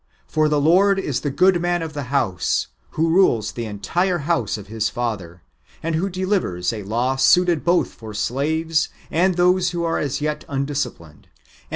For the Lord is the good man of the house, who rules the entire house of His Father ; and who delivers a law suited both for slaves and those who are as yet undisciplined; and gives 1 Num.